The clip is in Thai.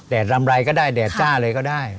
ลำไรก็ได้แดดจ้าเลยก็ได้